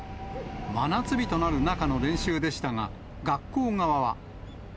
真夏日となる中の練習でしたが、学校側は。